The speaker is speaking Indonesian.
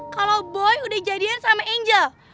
kalau boy udah jadian sama angel